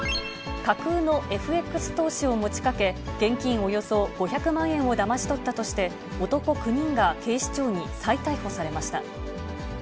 架空のＦＸ投資を持ちかけ、現金およそ５００万円をだまし取ったとして、男９人が警視庁に再逮捕されました。